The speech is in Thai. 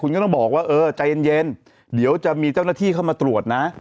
คุณก็ต้องบอกว่าเออใจเย็นเดี๋ยวจะมีเจ้าหน้าที่เข้ามาตรวจนะ